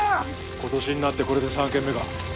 今年になってこれで３軒目か。